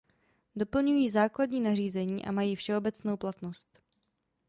Doplňují základní nařízení a mají všeobecnou platnost.